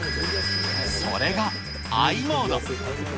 それがｉモード。